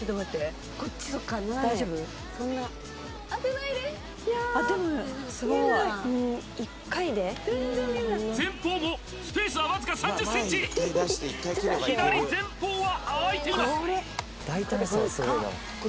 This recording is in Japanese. そんな前方もスペースはわずか３０ｃｍ左前方は空いています